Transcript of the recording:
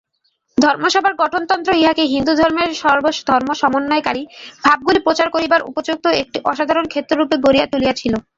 ধর্মসভার গঠনতন্ত্র ইহাকে হিন্দুধর্মের সর্বধর্মসমন্বয়কারী ভাবগুলি প্রচার করিবার উপযুক্ত একটি অসাধারণ ক্ষেত্ররূপে গড়িয়া তুলিয়াছিল।